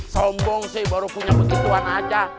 sombong sih baru punya begituan aja